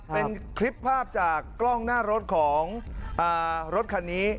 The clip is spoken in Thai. เป็นคลิปภาพจากกล้องหน้ารถของรถคันนี้